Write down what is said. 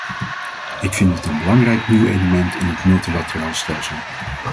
Ik vind dit een belangrijk nieuw element in het multilateraal stelsel.